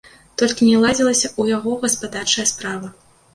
Толькі не ладзілася ў яго гаспадарчая справа.